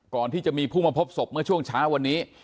ก่อนที่จะมีผู้มาพบศพเมื่อช่วงเช้าวันนี้